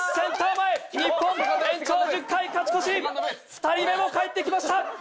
２人目もかえってきました！